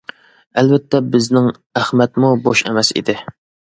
ئەلۋەتتە بىزنىڭ ئەخمەتمۇ بوش ئەمەس ئىدى.